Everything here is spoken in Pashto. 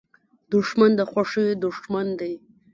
دښمن د خوښیو دوښمن دی